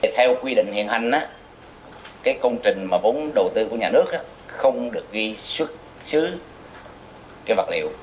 theo quy định hiện hành công trình vốn đầu tư của nhà nước không được ghi xuất xứ vật liệu